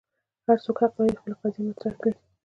هر څوک حق لري خپل قضیه مطرح کړي.